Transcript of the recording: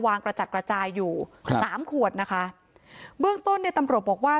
วางกระจัดกระจายอยู่๓ขวดนะคะเบื้องต้นเนี่ยตำลดบอกว่า